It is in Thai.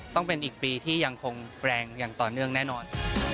ต้องเป็นอีกปีที่ยังคงแรงอย่างต่อเนื่องแน่นอน